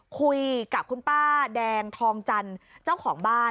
คุยกับคุณป้าแดงทองจันทร์เจ้าของบ้าน